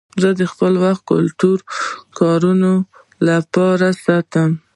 زه خپل وخت د ګټورو کارونو لپاره ساتم.